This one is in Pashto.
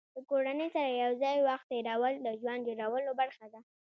د کورنۍ سره یو ځای وخت تېرول د ژوند جوړولو برخه ده.